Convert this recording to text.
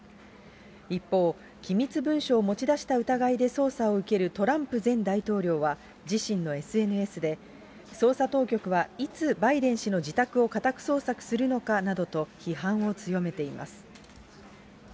一方、機密文書を持ち出した疑いで捜査を受けるトランプ前大統領は自身のＳＮＳで、捜査当局はいつバイデン氏の自宅を家宅捜索するのかなどと批判を強めています。